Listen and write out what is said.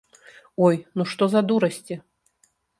Ой, ну што за дурасці.